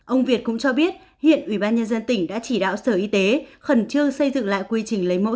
ông việt cũng cho biết hiện ubnd tỉnh đã chỉ đạo sở y tế khẩn trương xây dựng lại quy trình lấy mẫu